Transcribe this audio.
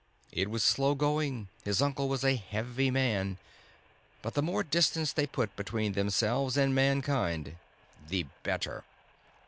It was slow going: his uncle was a heavy man, but the more distance they could put between themselves and Mankind, the better.